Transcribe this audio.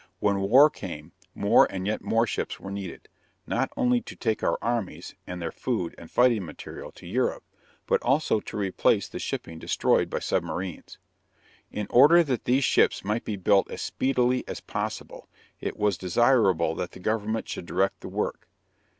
When war came, more and yet more ships were needed, not only to take our armies, and their food and fighting material, to Europe, but also to replace the shipping destroyed by submarines. In order that these ships might be built as speedily as possible it was desirable that the government should direct the work.